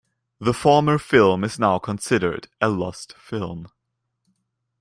The former film is now considered a lost film.